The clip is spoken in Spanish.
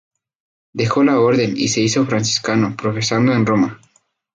Dejó la orden y se hizo franciscano, profesando en Roma.